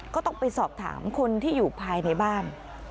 ก็ต้องไปสอบถามคนที่อยู่ภายในบ้าน